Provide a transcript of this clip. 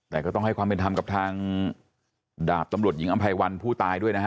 แต่ก็ต้องให้ความเป็นธรรมกับทางดาบตำรวจหญิงอำไพวันผู้ตายด้วยนะฮะ